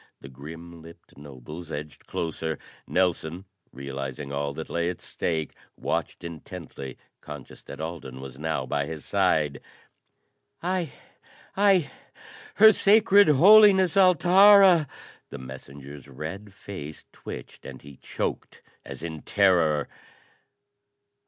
The grim lipped nobles edged closer. Nelson, realizing all that lay at stake, watched intently, conscious that Alden was now by his side. "I I, Her Sacred Holiness, Altara ." The messenger's red face twitched and he choked as in terror.